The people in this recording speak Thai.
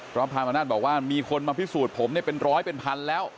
พระมณัฐบอกว่ามีคนมาพิสูจน์ผมเป็นร้อยเป็นพันแล้ว